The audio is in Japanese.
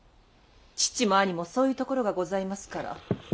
父も兄もそういうところがございますから。